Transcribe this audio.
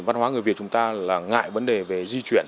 văn hóa người việt chúng ta là ngại vấn đề về di chuyển